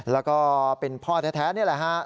แล้วก็เป็นพ่อแท้นี่แหละฮะ